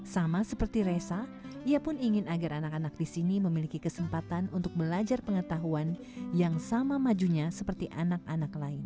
sama seperti resa ia pun ingin agar anak anak di sini memiliki kesempatan untuk belajar pengetahuan yang sama majunya seperti anak anak lain